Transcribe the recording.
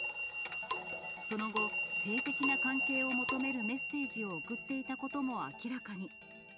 その後、性的な関係を求めるメッセージを送っていたことも明らかに。